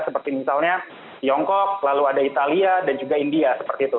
seperti misalnya tiongkok lalu ada italia dan juga india seperti itu